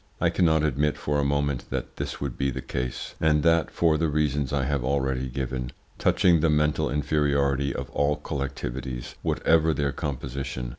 I cannot admit for a moment that this would be the case, and that for the reasons I have already given touching the mental inferiority of all collectivities, whatever their composition.